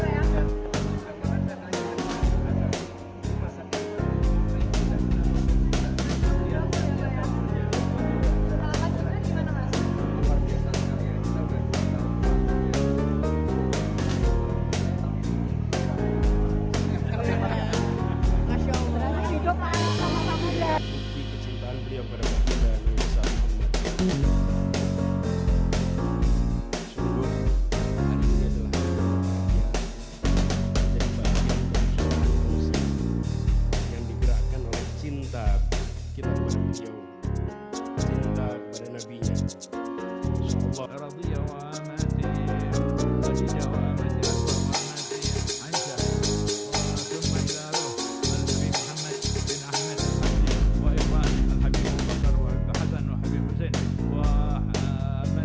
yang diberikan oleh cinta kita menuju cinta kepada nabinya